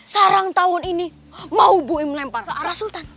sarang tawon ini mau buim lempar arah sultan